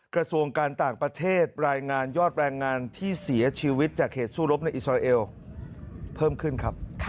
กระทรวงการต่างประเทศรายงานยอดแรงงานที่เสียชีวิตจากเหตุสู้รบในอิสราเอลเพิ่มขึ้นครับ